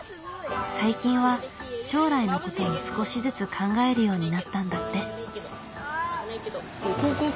最近は将来のことも少しずつ考えるようになったんだって。